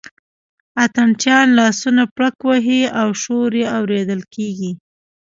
اتڼ چیان لاسونه پړک وهي او شور یې اورېدل کېږي.